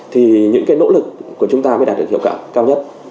thì những cái nỗ lực của chúng ta mới đạt được hiệu quả cao nhất